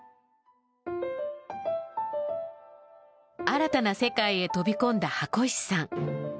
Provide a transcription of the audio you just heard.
新たな世界へ飛び込んだ箱石さん。